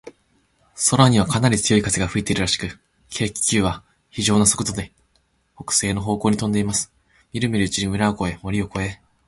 空には、かなり強い風が吹いているらしく、軽気球は、ひじょうな速度で、北西の方向にとんでいます。みるみるうちに村を越え、森を越え、